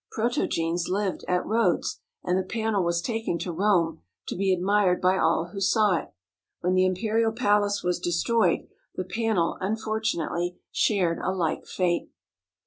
Protogenes lived at Rhodes, and the panel was taken to Rome to be admired by all who saw it. When the imperial palace was destroyed, the panel unfortunately shared a like fate.